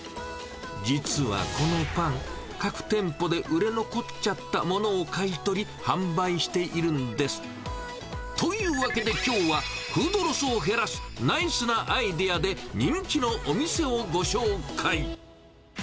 実はこのパン、各店舗で売れ残っちゃったものを買い取り、販売しているんです。というわけで、きょうはフードロスを減らす、ナイスなアイデアで、人気のお店をご紹介。